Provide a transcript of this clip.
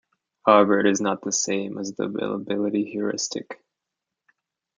However, it is not the same as the availability heuristic.